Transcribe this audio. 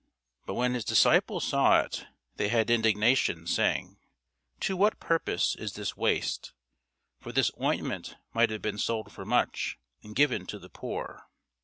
But when his disciples saw it, they had indignation, saying, To what purpose is this waste? For this ointment might have been sold for much, and given to the poor.